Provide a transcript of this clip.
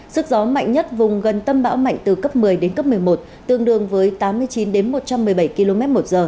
sức gió mạnh nhất vùng gần tâm bão mạnh từ cấp một mươi đến cấp một mươi một tương đương với tám mươi chín một trăm một mươi bảy km một giờ